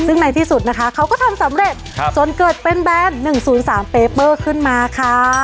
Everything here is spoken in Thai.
ซึ่งในที่สุดนะคะเขาก็ทำสำเร็จจนเกิดเป็นแบรนด์๑๐๓เปเปอร์ขึ้นมาค่ะ